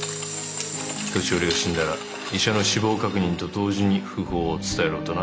年寄りが死んだら医者の死亡確認と同時に訃報を伝えろとな。